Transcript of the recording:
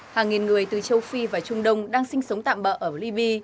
hàng nghìn người từ châu phi và trung đông đang sinh sống tạm bỡ ở liby